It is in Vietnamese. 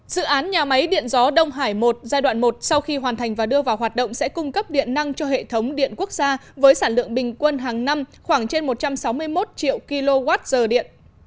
dự án nhà máy điện gió đông hải một giai đoạn một sau khi hoàn thành và đưa vào hoạt động sẽ cung cấp điện năng cho hệ thống điện quốc gia với sản lượng bình quân hàng năm khoảng trên một trăm sáu mươi một triệu kwh điện